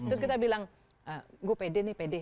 terus kita bilang gue pede nih pede